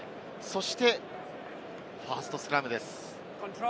そしてファーストスクラムです。